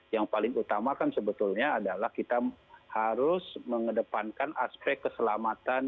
yang paling utama kan sebetulnya adalah kita harus mengedepankan aspek keselamatan